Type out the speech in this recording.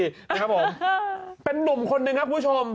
ครับผมเป็นนุ่มคนหนึ่งครับคุณผู้ชม